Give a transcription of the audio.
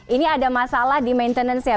ini ada masalah di maintenance nya